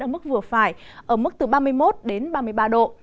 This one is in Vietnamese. ở mức vừa phải ở mức từ ba mươi một đến ba mươi ba độ